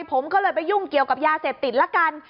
ผมก็เลยไปยุ่งเกี่ยวกับยาเสพติดละกัน